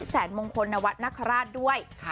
แสนมงคลนวะนคราช